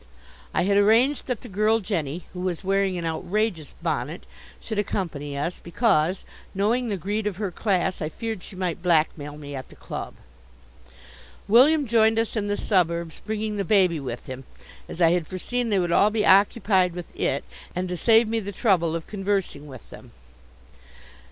I had arranged that the girl Jenny, who was wearing an outrageous bonnet, should accompany us, because, knowing the greed of her class, I feared she might blackmail me at the club. William joined us in the suburbs, bringing the baby with him, as I had foreseen they would all be occupied with it, and to save me the trouble of conversing with them.